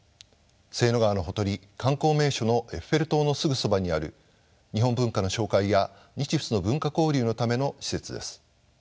セーヌ川のほとり観光名所のエッフェル塔のすぐそばにある日本文化の紹介や日仏の文化交流のための施設です。